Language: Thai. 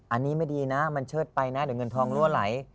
อันนี้ไม่ดีนะมันเชิดไปนะเดี๋ยวเงินทองรั่วไหล